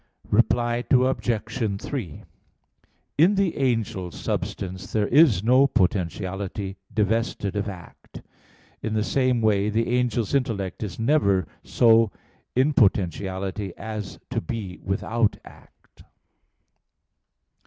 Reply Obj. 3: In the angel's substance there is no potentiality divested of act. In the same way, the angel's intellect is never so in potentiality as to be without act.